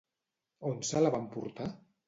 On se la va emportar?